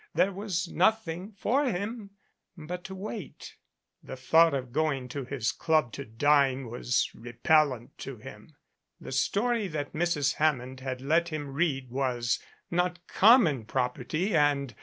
There was nothing for him but to wait. The thought of going to his club to dine was repellant to him. The story that Mrs. Hammond had let him read was now common property and.